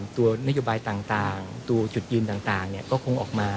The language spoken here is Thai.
ตัวนัยอยุบายต่างตัวจุดยืนต่างเนี่ยก็คงออกมา